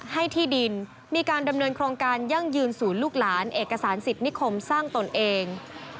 ที่ดินมีการดำเนินโครงการยั่งยืนศูนย์ลูกหลานเอกสารสิทธินิคมสร้างตนเอง